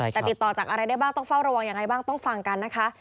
แต่ติดต่อจากอะไรได้บ้างต้องเฝ้าระวังยังไงบ้างต้องฟังกันนะคะ